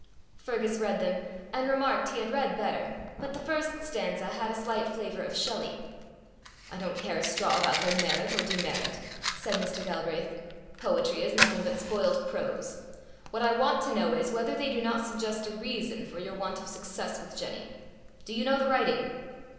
Fergus read them, and remarked he had read better, but the first stanza had a slight flavour of Shelley. "I don't care a straw about their merit or demerit," said Mr. Galbraith; "poetry is nothing but spoilt prose. What I want to know is, whether they do not suggest a reason for your want of success with Jenny. Do you know the writing?"